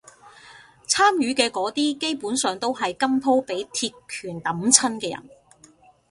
參與嘅嗰啲基本上都係今鋪畀鐵拳揼親嘅人